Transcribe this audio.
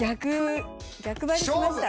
逆張りしました。